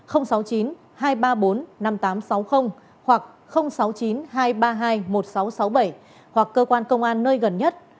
năm nghìn tám trăm sáu mươi hoặc sáu mươi chín hai trăm ba mươi hai một nghìn sáu trăm sáu mươi bảy hoặc cơ quan công an nơi gần nhất